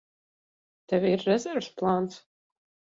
Tev ir rezerves plāns?